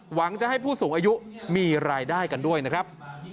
หวังจะให้ผู้สูงอายุมีรายได้กันด้วยนะครับ